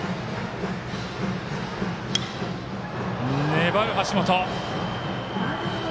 粘る、橋本。